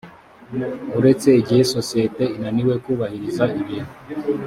uretse igihe sosiyete inaniwe kubahiriza ibintu